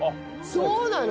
そうなの！？